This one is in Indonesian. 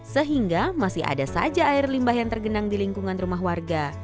sehingga masih ada saja air limbah yang tergenang di lingkungan rumah warga